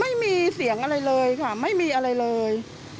ไม่มีเสียงอะไรเลยค่ะไม่มีอะไรเลย